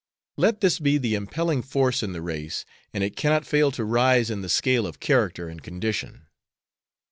Let this be the impelling force in the race and it cannot fail to rise in the scale of character and condition."